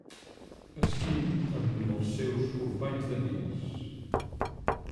Skin amb els seus companys de pis.